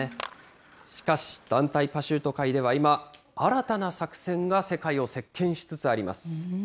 しかし団体パシュート界では今、新たな作戦が世界を席けんしつつあります。